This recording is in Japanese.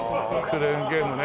クレーンゲームね。